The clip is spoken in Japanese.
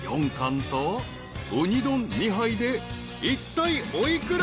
［うに丼２杯でいったいお幾ら？］